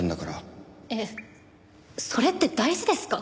えっそれって大事ですか？